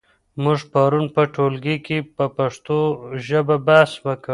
موږ پرون په ټولګي کې په پښتو ژبه بحث وکړ.